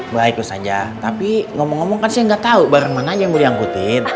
baik luz anja tapi ngomong ngomong kan saya gak tau barang mana aja yang boleh dianggutin